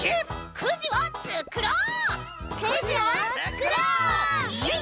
くじつくろう！